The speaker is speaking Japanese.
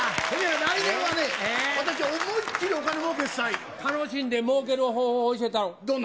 来年はね、私、思いっ切りお楽しんでもうける方法教えたどんな。